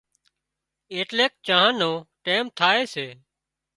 ايٽليڪ چانه نو ٽيم ٿائي سي